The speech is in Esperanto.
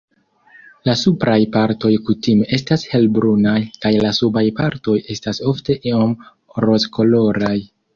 La supraj partoj kutime estas helbrunaj, kaj la subaj partoj estas ofte iom rozkoloraj.